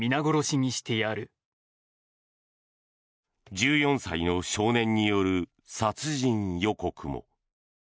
１４歳の少年による殺人予告も。